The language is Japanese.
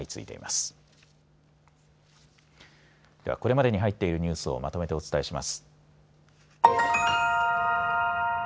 では、これまでに入っているニュースをまとめてお伝えします。